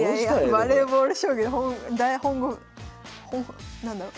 バレーボール将棋の何だろう